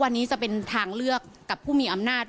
วันนี้จะเป็นทางเลือกกับผู้มีอำนาจ